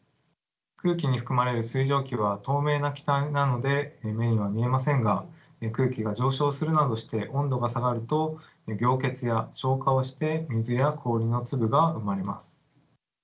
空気に含まれる水蒸気は透明な気体なので目には見えませんが空気が上昇するなどして温度が下がると凝結や昇華をして水や氷の粒が生まれます。